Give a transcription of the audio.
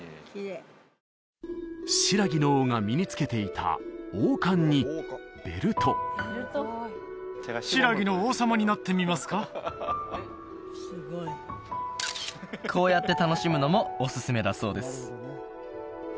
新羅の王が身に着けていた王冠にベルトこうやって楽しむのもおすすめだそうです